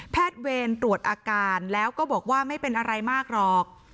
เวรตรวจอาการแล้วก็บอกว่าไม่เป็นอะไรมากหรอก